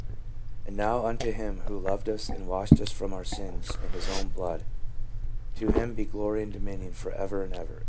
And now unto Him who loved us and washed us from our sins in his own blood, tu him be glory and dominion for ever and ever.